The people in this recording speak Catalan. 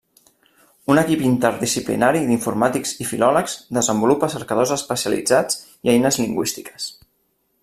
Un equip interdisciplinari d'informàtics i filòlegs desenvolupa cercadors especialitzats i eines lingüístiques.